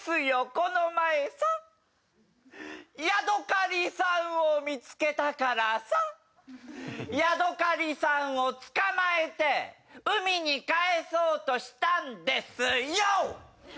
この前さヤドカリさんを見付けたからさヤドカリさんを捕まえて海に帰そうとしたんですｙｏ！